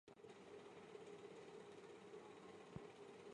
该文物保护单位由磐石市宗教局管理。